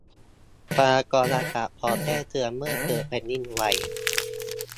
พยากรณ์อากาศพร้อมแจ้งเตือนเมื่อเกิดแผ่นดินไหว